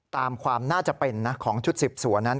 ตามความน่าจะเป็นของชุด๑๐ส่วนนั้น